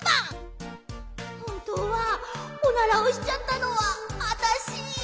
こころのこえほんとうはオナラをしちゃったのはあたし！